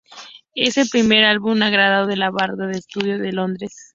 Es el primer álbum grabado por la banda en su estudio de Londres.